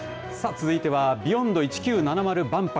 続いてはＢｅｙｏｎｄ１９７０万博。